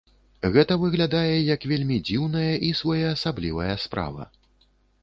Гэта выглядае як вельмі дзіўная і своеасаблівая справа.